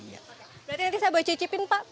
berarti nanti saya bawa cicipin pak